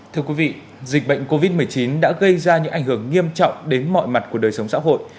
thưa quý vị dịch bệnh covid một mươi chín đã gây ra những ảnh hưởng nghiêm trọng đến mọi mặt của đời sống xã hội